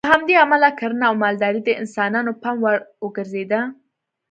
له همدې امله کرنه او مالداري د انسانانو پام وړ وګرځېده.